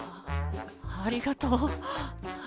ありがとう。